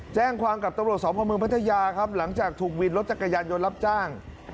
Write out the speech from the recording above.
แจ้งความกับตำรวจสพเมืองพัทยาครับหลังจากถูกวินรถจักรยานยนต์รับจ้าง